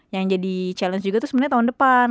yang jadi challenge juga tuh sebenarnya tahun depan